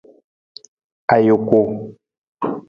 Ajuku.